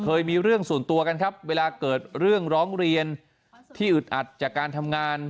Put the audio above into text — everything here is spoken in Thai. เคยมีเรื่องส่วนตัวกันครับเวลาเกิดเรื่องร้องเรียนที่อึดอัดจากการทำงาน